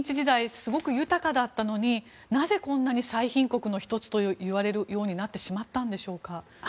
すごく豊かだったのになぜ、こんなに最貧国の１つといわれるようになってしまったんでしょうか。